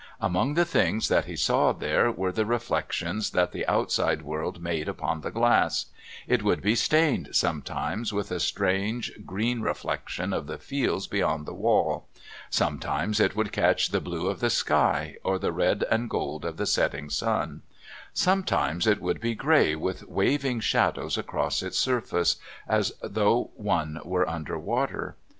Amongst the things that he saw there were the reflections that the outside world made upon the glass; it would be stained, sometimes, with a strange, green reflection of the fields beyond the wall; sometimes it would catch the blue of the sky, or the red and gold of the setting sun; sometimes it would be grey with waving shadows across its surface, as though one were under water.